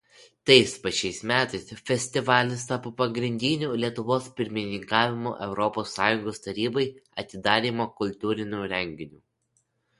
Tais pačiais metais festivalis tapo pagrindiniu Lietuvos pirmininkavimo Europos Sąjungos Tarybai atidarymo kultūriniu renginiu.